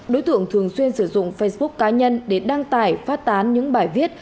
đối tượng thường xuyên sử dụng facebook cá nhân để đăng tải phát tán những bài viết